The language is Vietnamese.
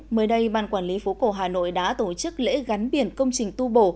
mới đây ban quản lý phố cổ hà nội đã tổ chức lễ gắn biển công trình tu bổ